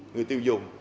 người tiêu dùng